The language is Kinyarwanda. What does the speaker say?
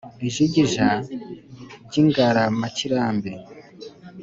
Ijigija ry'ingaramakirambi